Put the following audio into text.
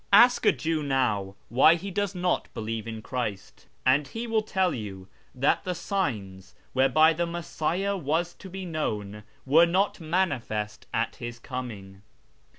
Ask a Jew now why he does not believe in Christ, and he will tell yon that the signs whereby the Messiah was to be known were not manifest at His coming.